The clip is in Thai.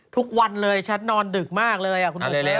ทุกวันเลยฉันนอนดึกมากเลยอ่ะคุณผู้ชาย